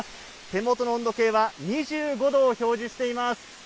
手元の温度計は２５度を表示しています。